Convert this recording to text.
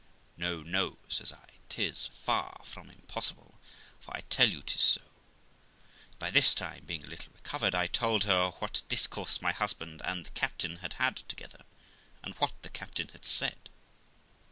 No, no', says I; ''tis far from impossible, for I tell you 'tis so.' And THE LIFE OF ROXANA 371 by this time, being a little recovered, I told her what discourse my husband and the captain had had together, and what the captain had said.